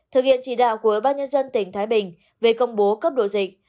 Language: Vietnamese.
thực hiện chỉ đạo của ban nhân dân tỉnh thái bình về công bố cấp độ dịch